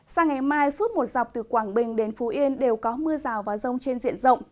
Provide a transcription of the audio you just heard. sang ngày mai suốt một dọc từ quảng bình đến phú yên đều có mưa rào và rông trên diện rộng